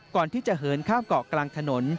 ก่อนที่จะเหินข้ามเกาะกลางถนน